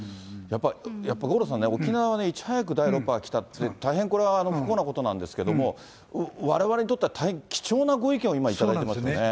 やっぱり五郎さんね、沖縄はいち早く第６波が来たって、大変これは不幸なことなんですけども、われわれにとっては、大変貴重なご意見を今、頂いてますよね。